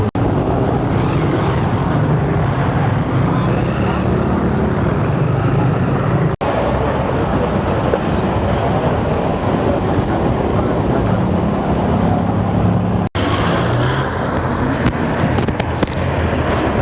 มันเป็นสิ่งที่จะให้ทุกคนรู้สึกว่ามันเป็นสิ่งที่จะให้ทุกคนรู้สึกว่า